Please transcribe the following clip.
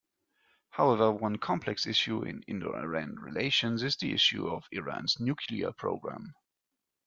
However, one complex issue in Indo-Iran relations is the issue of Iran's nuclear programme.